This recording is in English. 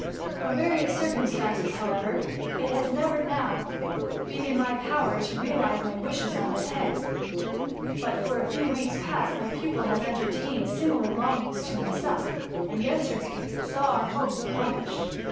From various circumstances, however, it has never till now been in my power to realize my wishes on this head; but for a few weeks past, my pupil has entertained simi lar longings to myself; and yesterday saw our hopes ^^accomplished.